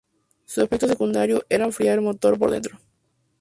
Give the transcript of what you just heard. Su efecto secundario era enfriar el motor por dentro.